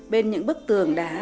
bên những bức tường đá